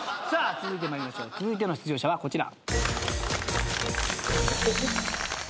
続いての出場者はこちら。